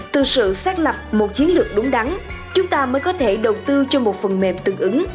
từ sự xác lập một chiến lược đúng đắn chúng ta mới có thể đầu tư cho một phần mềm tương ứng